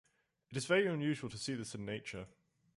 It is very unusual to see this in nature.